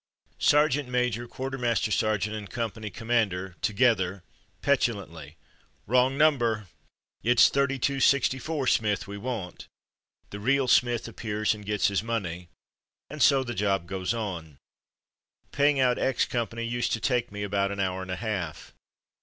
Sergeant major, quartermaster sergeant, and company commander (together, petu lantly): "Wrong number!! It's thirty two sixty four Smith we want!" The real Smith appears, and gets his money, and so the job goes on. Company Pay Day 31 Paying out X Company used to take me about an hour and a half.